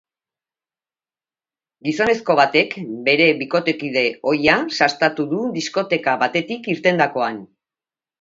Gizonezko batek bere bikotekide ohia sastatu du diskoteka batetik irtendakoan.